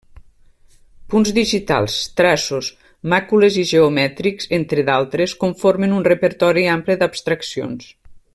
Punts digitals, traços, màcules i geomètrics, entre d'altres, conformen un repertori ample d'abstraccions.